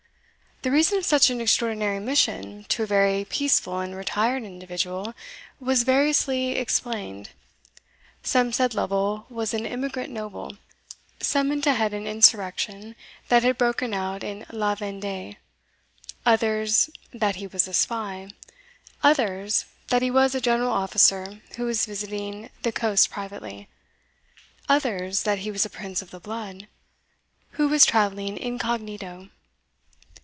The reason of such an extraordinary mission to a very peaceful and retired individual, was variously explained. Some said Lovel was an emigrant noble, summoned to head an insurrection that had broken out in La Vende'e others that he was a spy others that he was a general officer, who was visiting the coast privately others that he was a prince of the blood, who was travelling incognito.